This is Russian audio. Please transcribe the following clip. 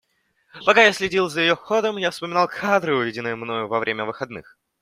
Пока я следил за ее ходом, я вспоминал кадры, увиденные мною во время выходных.